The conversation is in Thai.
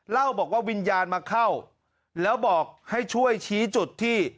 เล่าบอกว่าวิญญาณมาเข้าแล้วบอกให้ช่วยชี้จุดที่